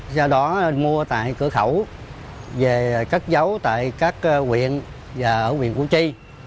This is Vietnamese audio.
sau đó mua tại cửa khẩu về các dấu tại các huyện và ở huyện củ chi